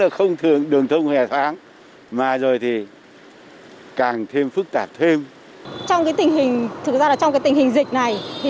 khoảng năm mét